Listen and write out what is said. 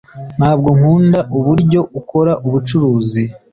Ntabwo nkunda uburyo akora ubucuruzi